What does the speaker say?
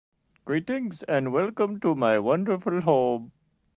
Greetings and welcome to my wonderful home.